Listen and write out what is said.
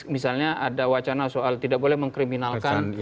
misalnya ada wacana soal tidak boleh mengkriminalkan